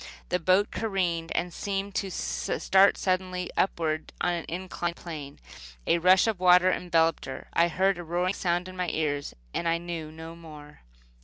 The boat careened and seemed to start suddenly upward on an inclined plane. A rush of water enveloped her. I heard a roaring sound in my ears, and I knew no more.